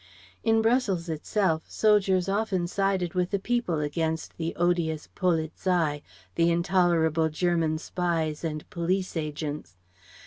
In Brussels itself, soldiers often sided with the people against the odious "polizei," the intolerable German spies and police agents.